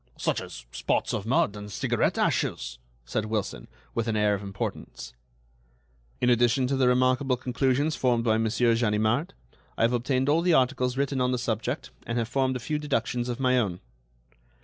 "Such as spots of mud and cigarette ashes," said Wilson, with an air of importance. "In addition to the remarkable conclusions formed by Monsieur Ganimard, I have obtained all the articles written on the subject, and have formed a few deductions of my own."